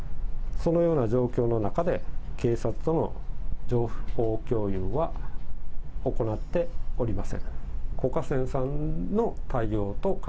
そのような状況の中で、警察との情報共有は行っておりません。